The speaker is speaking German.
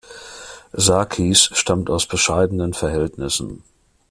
Sarkis stammt aus bescheidenen Verhältnissen.